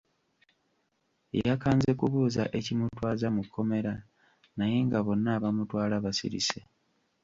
Yakanze kubuuza ekimutwaza mu kkomera naye nga bonna abamutwala basirise.